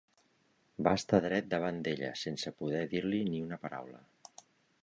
Va estar dret davant d'ella, sense poder dir-li ni una paraula.